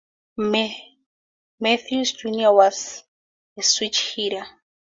Matthews Junior was a switch hitter.